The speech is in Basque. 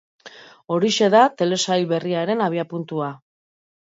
Horixe da telesail berriaren abiapuntua.